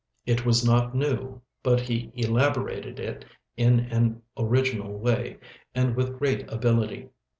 It was not new, but he elaborated it in an original way and with great ability.